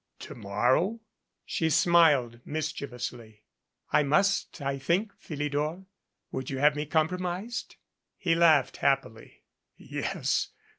"To morrow?" She smiled mischievously. "I must, I think, Philidor. Would you have me com promised?" He laughed happily. "Yes.